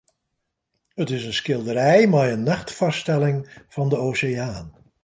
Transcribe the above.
It is in skilderij mei in nachtfoarstelling fan de oseaan.